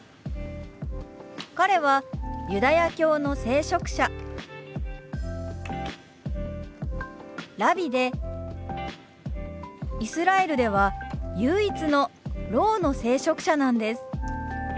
彼はユダヤ教の聖職者ラビでイスラエルでは唯一のろうの聖職者なんです。